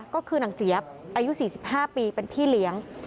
ก็คือนางเจี๊ยบอายุ๔๕ปีเป็นพี่เลี้ยง